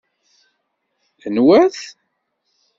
Anwa-t?